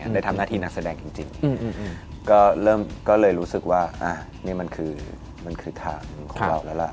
ได้ทำหน้าที่นักแสดงจริงก็เลยรู้สึกว่านี่มันคือถามของเราแล้วล่ะ